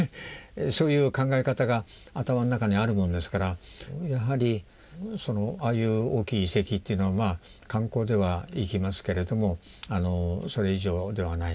そういう考え方が頭の中にあるもんですからやはりああいう大きい遺跡というのは観光では行きますけれどもそれ以上ではない。